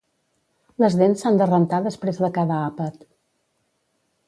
Les dents s'han de rentar després de cada àpat